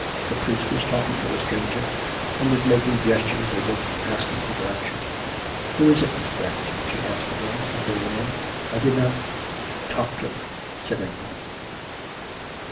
The priest was talking to the stranger, and was making gestures, as if asking for direction. " Who is it, Mr. Babington ?" she asked again as they went in. " I did not "" Topcliffe," said Anthony.